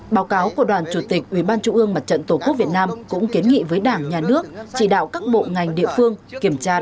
báo cáo của đoàn chủ tịch ubnd mặt trận tổ quốc việt nam cũng kiến nghị với đảng nhà nước chỉ đạo các bộ ngành địa phương kiểm tra